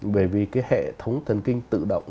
bởi vì cái hệ thống thần kinh tự động